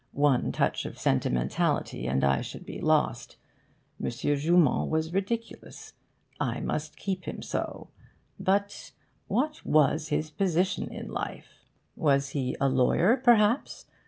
One touch of 'sentimentality,' and I should be lost. M. Joumand was ridiculous. I must keep him so. But what was his position in life? Was he a lawyer perhaps?